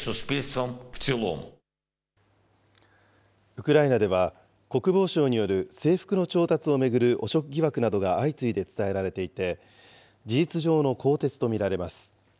ウクライナでは、国防省による制服の調達を巡る汚職疑惑などが相次いで伝えられていて、事実上の更迭と見られます。